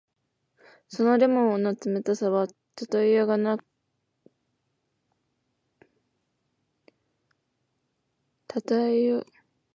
その檸檬の冷たさはたとえようもなくよかった。